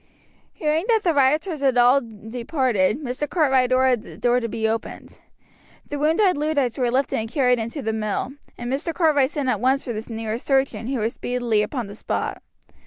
Hearing that the rioters had all departed, Mr. Cartwright ordered the door to be opened. The wounded Luddites were lifted and carried into the mill, and Mr. Cartwright sent at once for the nearest surgeon, who was speedily upon the spot.